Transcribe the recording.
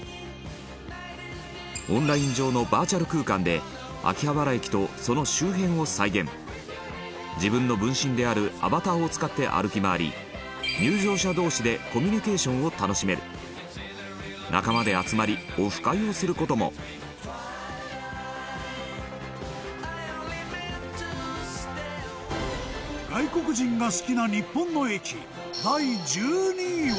オンライン上のバーチャル空間で秋葉原駅と、その周辺を再現自分の分身であるアバターを使って歩き回り入場者同士でコミュニケーションを楽しめる仲間で集まりオフ会をする事も外国人が好きな日本の駅第１２位は